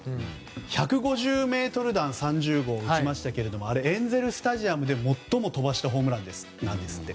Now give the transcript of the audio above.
１５０ｍ弾３０号、打ちましたがエンゼル・スタジアムで最も飛ばしたホームランなんですって。